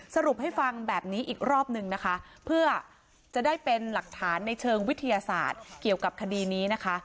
สรุปให้ฟังแบบนี้อีกรอบนึงนะคะเพื่อจะได้เป็นหลักฐานในเชิงวิทยาศาสตร์เกี่ยวกับคดีนี้นะคะ